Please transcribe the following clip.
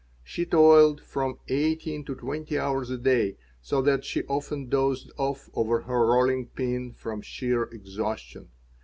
She toiled from eighteen to twenty hours a day, so that she often dozed off over her rolling pin from sheer exhaustion.